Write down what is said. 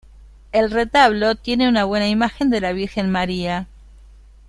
El retablo tiene una buena imagen de la Virgen María.